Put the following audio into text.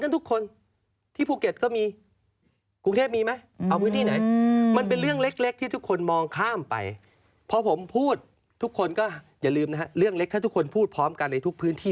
ทุกคนก็อย่าลืมนะฮะเรื่องเล็กถ้าทุกคนพูดพร้อมกันในทุกพื้นที่